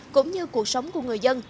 cũng như cuộc sống của người dân